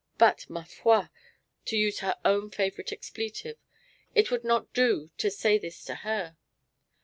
But, ma foi! to use her own favourite expletive it would not do to say this to her.